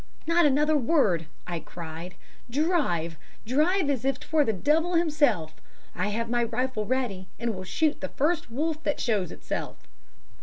'Not another word,' I cried. 'Drive drive as if 'twere the devil himself. I have my rifle ready, and will shoot the first wolf that shows itself.'